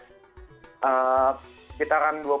sekitar dua puluh tiga puluh menitan